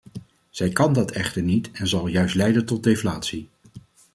Zij kan dat echter niet en zal juist leiden tot deflatie.